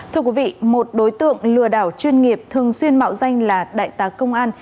thưa quý vị một đối tượng lừa đảo chuyên nghiệp thường xuyên mạo danh là đại tá công an